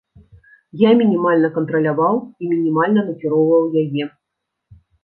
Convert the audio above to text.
Я мінімальна кантраляваў і мінімальна накіроўваў яе.